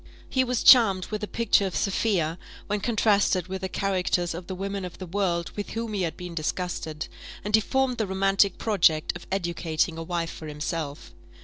He was charmed with the picture of Sophia, when contrasted with the characters of the women of the world with whom he had been disgusted; and he formed the romantic project of educating a wife for himself.